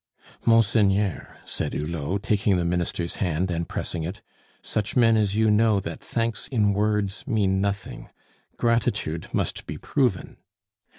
"Monseigneur," said Hulot, taking the Minister's hand and pressing it, "such men as you know that thanks in words mean nothing; gratitude must be proven."